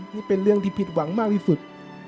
นี่เป็นเรื่องที่ผิดหวังมากที่สุด